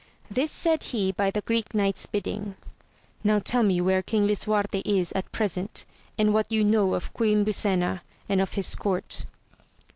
This said he by the Greek Knight's bidding. Now tell me where King Lisuarte is at present, and what you know of Queen Brisena, and of his court.